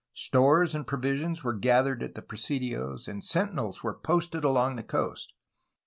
Stores and provisions were gathered at the presidios, and sentinels were posted along the coast.